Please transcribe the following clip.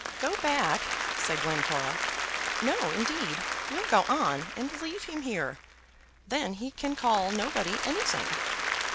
"Go back!" said Glencora. "No, indeed. We'll go on, and leave him here. Then he can call nobody anything.